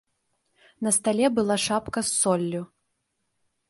На стале была шапка з соллю.